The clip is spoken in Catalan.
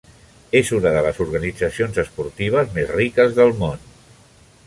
És una de les organitzacions esportives més riques del món.